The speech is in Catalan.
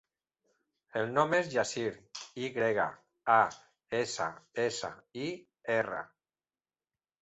El nom és Yassir: i grega, a, essa, essa, i, erra.